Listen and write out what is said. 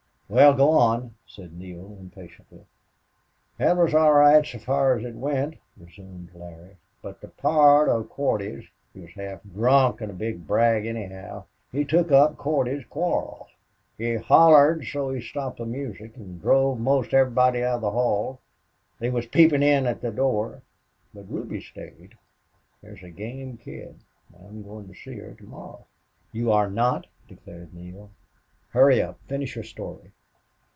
"Well, go on," said Neale, impatiently. "Thet was all right so far as it went," resumed Larry. "But the pard of Cordy's he was half drunk an' a big brag, anyhow. He took up Cordy's quarrel. He hollered so he stopped the music an' drove 'most everybody out of the hall. They was peepin' in at the door. But Ruby stayed. There's a game kid, an' I'm goin' to see her to morrow." "You are not," declared Neale. "Hurry up. Finish your story."